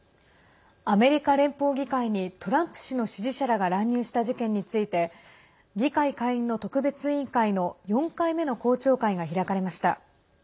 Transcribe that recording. アメリカ連邦議会にトランプ氏の支持者らが乱入した事件について議会下院の特別委員会の４回目の公聴会が開かれました。